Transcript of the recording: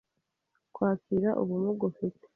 kwakira ubumuga ufite.